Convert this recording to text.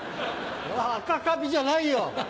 赤カビじゃないよ！